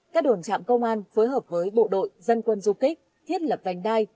các đồn trạm công an phối hợp với bộ đội dân quân du kích thiết lập vành đai